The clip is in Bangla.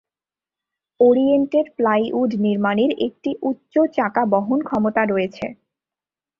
ওরিয়েন্টেড প্লাইউড নির্মাণের একটি উচ্চ চাকা বহন ক্ষমতা রয়েছে।